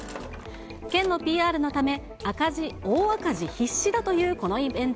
県のＰＲのため、大赤字必至だというこのイベント。